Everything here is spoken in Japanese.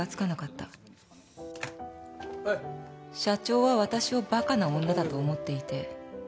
「社長はわたしをバカな女だと思っていて」